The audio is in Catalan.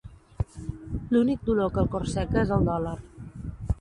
L'únic dolor que el corseca és el dòlar.